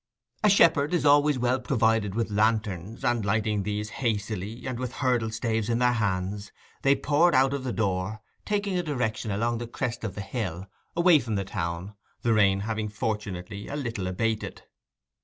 A shepherd is always well provided with lanterns; and, lighting these hastily, and with hurdle staves in their hands, they poured out of the door, taking a direction along the crest of the hill, away from the town, the rain having fortunately a little abated.